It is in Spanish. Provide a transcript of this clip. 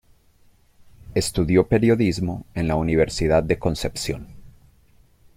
Estudió periodismo en la Universidad de Concepción.